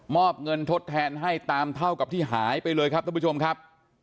อบเงินทดแทนให้ตามเท่ากับที่หายไปเลยครับท่านผู้ชมครับ